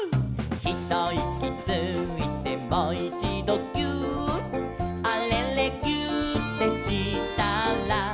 「ひといきついてもいちどぎゅーっ」「あれれぎゅーってしたら」